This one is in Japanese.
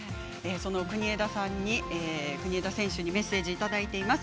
その国枝選手にメッセージいただいています。